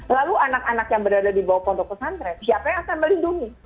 lalu anak anak yang berada di bawah pondok pesantren siapa yang akan melindungi